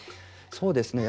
そうですね。